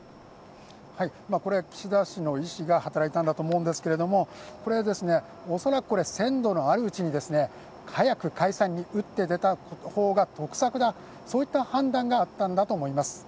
これ、岸田氏の意思が働いたと思うんですけれども恐らく鮮度のあるうちに、早く解散に打って出た方が得策だといった判断があったのだと思います。